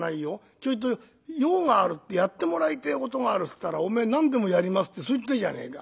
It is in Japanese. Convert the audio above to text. ちょいと用があるってやってもらいてえことがあるっつったらおめえ何でもやりますってそう言ったじゃねえか。